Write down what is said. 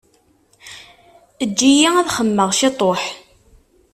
Eǧǧ-iyi ad xemmemeɣ ciṭuḥ.